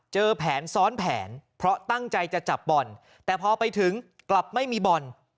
เจอแผนซ้อนแผนเพราะตั้งใจจะจับบ่อนแต่พอไปถึงกลับไม่มีบ่อน